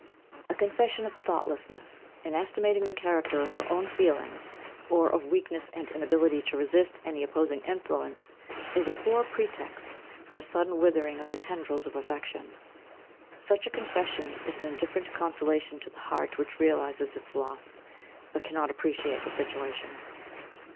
A confession of thoughtlessness in estimating the character of her own feelings, or of weakness and inability to resist any opposing influence, is a poor pretext for a sudden withering of the tendrils of affection. Such a confession is an indifferent consolation to the heart which realises its loss, but cannot appreciate the situation.